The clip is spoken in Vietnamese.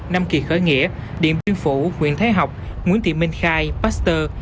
nam kỳ khởi nghĩa điện biên phủ nguyễn thái học nguyễn thị minh khai pasteur